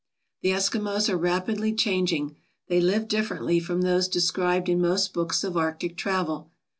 The Eskimos are rapidly changing. They live differ ently from those described in most books of Arctic travel.